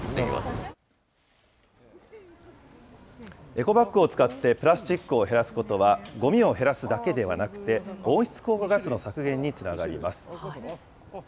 エコバッグを使って、プラスチックを減らすことは、ごみを減らすだけではなくて、温室効果ガスの削減につながります。